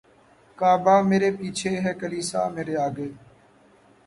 کعبہ مرے پیچھے ہے کلیسا مرے آگے